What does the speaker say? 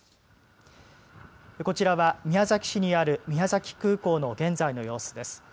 こちらは宮崎市にある宮崎空港の現在の様子です。